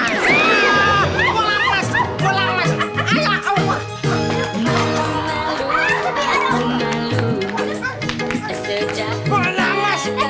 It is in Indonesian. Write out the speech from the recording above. berada di awam